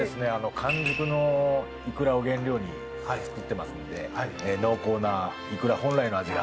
完熟のいくらを原料に作ってますんで濃厚ないくら本来の味が。